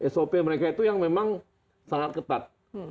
sop mereka itu yang memang sangat ketat